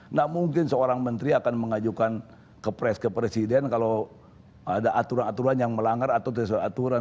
nggak mungkin seorang menteri akan mengajukan ke pres ke presiden kalau ada aturan aturan yang melanggar atau sesuai aturan